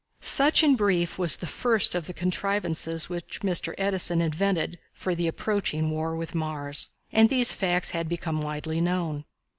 Such in brief was the first of the contrivances which Mr. Edison invented for the approaching war with Mars. And these facts had become widely known.